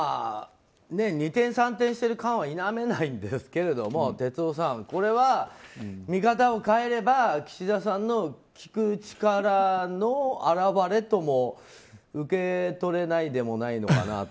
二転三転してる感は否めないんですが哲夫さん、これは見方を変えれば岸田さんの聞く力の表れとも受け取れないでもないのかなと。